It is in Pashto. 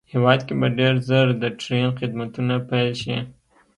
هېواد کې به ډېر زر د ټرېن خدمتونه پېل شي